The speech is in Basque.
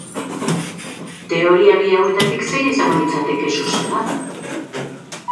Teoria bi hauetatik zen izango litzateke zuzena?